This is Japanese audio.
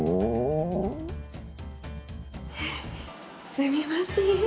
すみません。